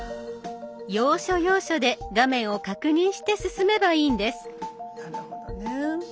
要所要所で画面を確認して進めばいいんです。